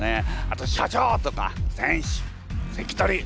あと社長とか選手関取！